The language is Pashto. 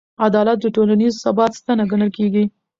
عدالت د ټولنیز ثبات ستنه ګڼل کېږي.